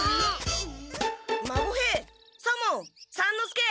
孫兵左門三之助！